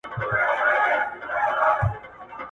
ډېری کورنۍ په سرحدي سيمو کې مېشتې شوې.